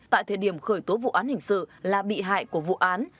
tại thời điểm khởi tố vụ án hình sự là bị hại của vụ án